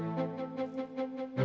sedikit ke bau ini